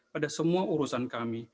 pada semua urusan kami